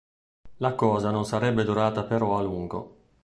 La cosa non sarebbe durata però a lungo.